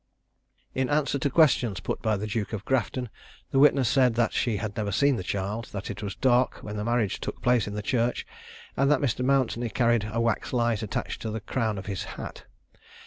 In answer to questions put by the Duke of Grafton, the witness said that she had never seen the child; that it was dark when the marriage took place in the church, and that Mr. Mountney carried a wax light attached to the crown of his hat.